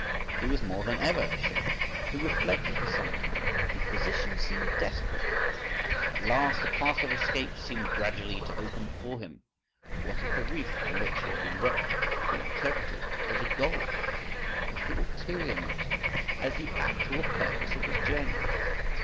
He was more than ever ashamed. He reflected for some time; his position seemed desperate.… At last a path of escape seemed gradually to open before him—what if the reef on which he had been wrecked could be interpreted as a goal, as the ulterior motive, as the actual purpose of his journey?